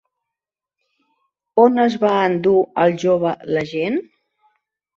On es va endur al jove l'agent?